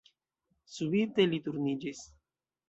Subite li turniĝis.